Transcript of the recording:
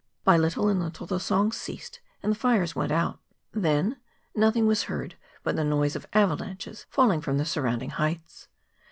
By little and little the songs ceased, and the fires went out. Then nothing was heard but the noise of avalanches falling from the surrounding heights.